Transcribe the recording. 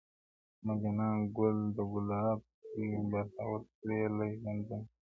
زما جانان ګل د ګلاب دی برخه ورکړې له ژوندونه-